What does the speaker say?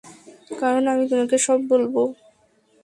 কারণ আমি তোমাকে সব বলব।